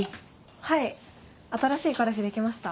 はい新しい彼氏できました。